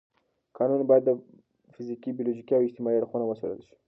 کانونه باید فزیکي، بیولوژیکي او اجتماعي اړخونه وڅېړل شي.